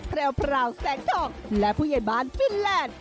แพรวแสงทองและผู้ใหญ่บ้านฟินแลนด์